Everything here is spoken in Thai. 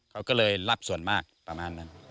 เขาก็เลยรับส่วนมากประมาณนั้น